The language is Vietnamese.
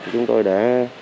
chúng tôi đã